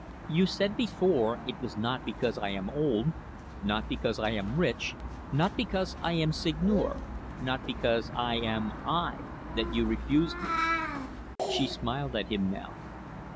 "You said before, it was not because I am old, not because I am rich, not because I am Seigneur, not because I am I, that you refused me." She smiled at him now.